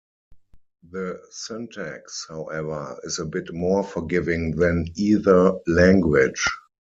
The syntax, however, is a bit more forgiving than either language.